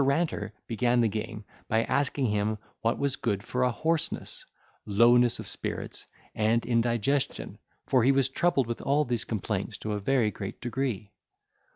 Ranter began the game by asking him what was good for a hoarseness, lowness of spirits, and in digestion, for he was troubled with all these complaints to a very great degree.